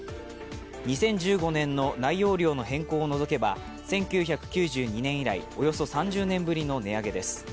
２０１５年の内容量の変更を除けば１９９２年以来およそ３０年ぶりの値上げです。